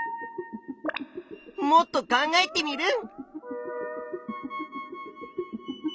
もっと考えテミルン。